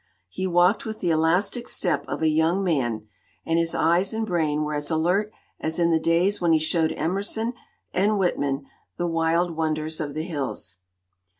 He walked with the elastic step of a young man, and his eyes and brain were as alert as in the days when he showed Emerson and Whitman the wild wonders of the hills.